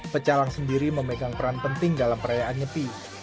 pecalang sendiri memegang peran penting dalam perayaan nyepi